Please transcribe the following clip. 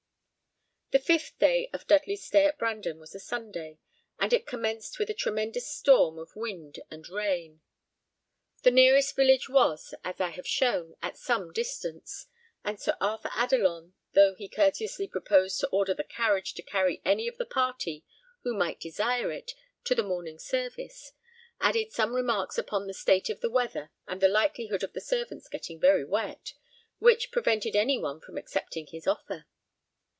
The fifth day of Dudley's stay at Brandon was a Sunday, and it commenced with a tremendous storm of wind and rain. The nearest village church was, as I have shown, at some distance; and Sir Arthur Adelon, though he courteously proposed to order the carriage to carry any of the party, who might desire it, to the morning's service, added some remarks upon the state of the weather and the likelihood of the servants getting very wet, which prevented any one from accepting his offer.